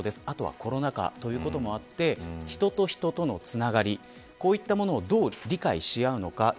あとはコロナ禍ということもあって人と人とのつながりをどう理解し合うのか。